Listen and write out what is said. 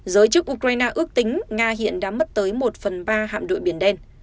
giới chức ukraine ước tính nga hiện đã mất tới một phần ba hạm đội biển đen